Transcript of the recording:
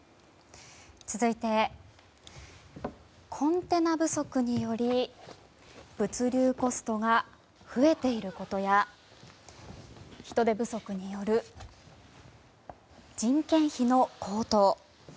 続いてコンテナ不足により物流コストが増えていることや人手不足による人件費の高騰。